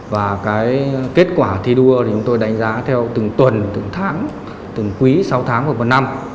và kết quả thi đua chúng tôi đánh giá theo từng tuần từng tháng từng quý sáu tháng hoặc một năm